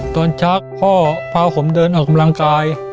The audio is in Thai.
ชักพ่อพาผมเดินออกกำลังกาย